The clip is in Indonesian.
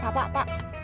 pak pak pak